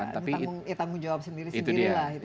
iya itu tanggung jawab sendiri sendiri lah